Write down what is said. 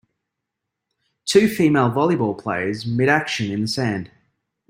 Two female volleyball players midaction in the sand.